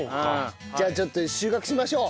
じゃあちょっと収穫しましょう。